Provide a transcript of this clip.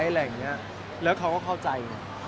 ผมอาจจะมีงานต่างประเทศที่เป็นไว้แล้วเขาก็เข้าใจ